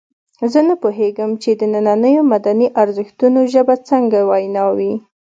زه نه پوهېږم چې د نننیو مدني ارزښتونو ژبه څنګه وینا وي.